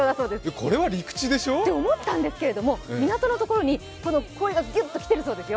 これは陸地でしょ？と思ったんですけども、港のところにこれがギューっと来ているようですよ。